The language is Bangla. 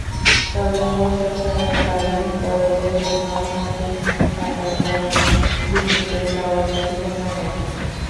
তবে প্রশাসনের দাবি, কলেজের জন্য মাটি কাটার কারণে বিদ্যুতের টাওয়ার ঝুঁকিপূর্ণ হয়নি।